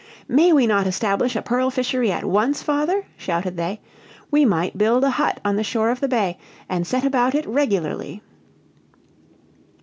"May we not establish a pearl fishery at once, father?" shouted they. "We might build a hut on the shore of the bay, and set about it regularly."